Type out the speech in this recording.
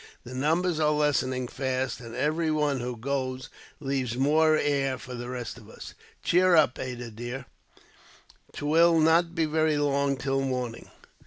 The numbers are lessening fast, and every one who goes leaves more air for the rest of us. "Cheer up, Ada dear, 'twill not be very long till morning."